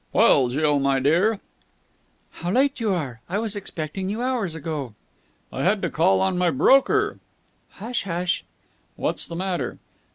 "Well, Jill, my dear." "How late you are. I was expecting you hours ago." "I had to call on my broker." "Hush! Hush!" "What's the matter?"